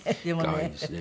可愛いですね。